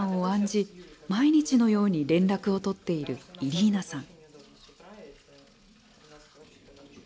毎日のように連絡を取っているイリーナさん。